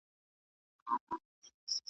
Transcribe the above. دولت اعلان وکړ چې د پانګوالو ملاتړ به کوي.